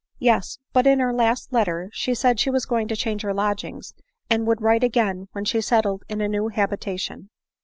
" Yes ; but in her last letter she said she was going to change her lodgings, and would write again when settled in a new habitation."